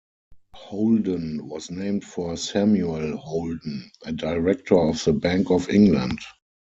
Holden was named for Samuel Holden, a director of the Bank of England.